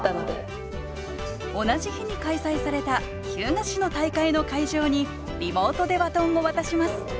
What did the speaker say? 同じ日に開催された日向市の大会の会場にリモートでバトンを渡します